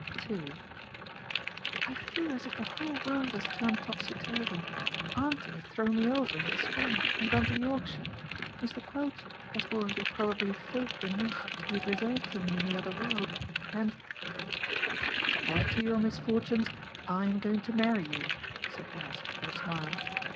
a "I feel as if the whole world has turned topsy turvy. Auntie has thrown me over in despair and gone to Yorkshire, Mr. Quelch has already probably filled the niche he had reserved for me in the other world, and " "To add to your misfortunes I am going to marry you," said Beresford with a smile.